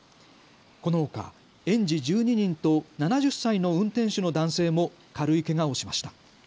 このほか園児１２人と７０歳の運転手の男性も軽いけがをしました。